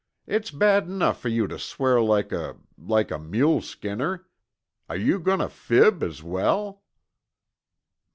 "It's bad enough for you to swear like a like a mule skinner. Are you going to fib as well?"